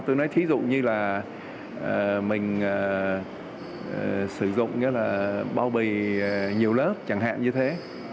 tôi nói thí dụ như là mình sử dụng bao bì nhiều lớp chẳng hạn như thế